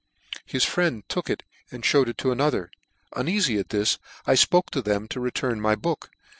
His friend took it and fhe wed it cc to another. Uneafy at this I fpoke to them to " return me my book.